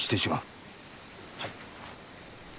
はい。